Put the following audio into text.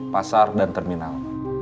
pasar dan terminal